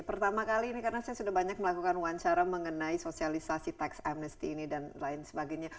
pertama kali ini karena saya sudah banyak melakukan wawancara mengenai sosialisasi tax amnesty ini dan lain sebagainya